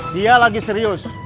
dia lagi serius